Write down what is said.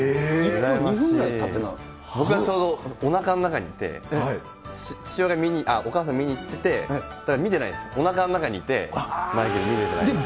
１分、僕、ちょうどおなかの中にいて、お母さん見に行ってて、だから見てないです、おなかの中にいて、マイケル、見れてないです。